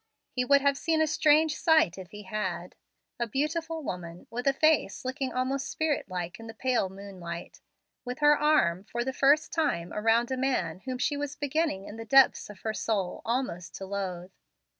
He would have seen a strange sight if he had, a beautiful woman, with a face looking almost spirit like in the pale moonlight, with her arm, for the first time, around a man whom she was beginning in the depths of her soul almost to loathe.